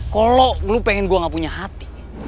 kalau lo pengen gue nggak punya hati